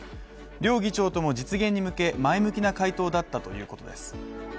両議長とも実現に向け前向きな回答だったということです。